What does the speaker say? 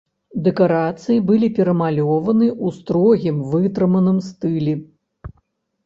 Дэкарацыі былі перамалёваны ў строгім вытрыманым стылі.